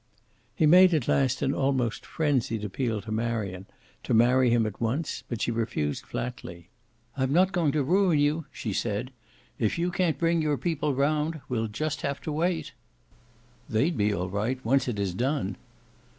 He made at last an almost frenzied appeal to Marion to marry him at once, but she refused flatly. "I'm not going to ruin you," she said. "If you can't bring your people round, we'll just have to wait." "They'd be all right, once it is done."